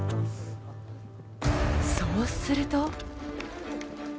そうすると。